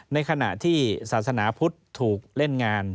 ในขณะที่ศาสนาพุทธถูกเล่นงาน